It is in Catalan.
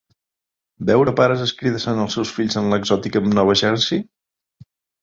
Veure pares escridassant els seus fills en l'exòtica Nova Jersey?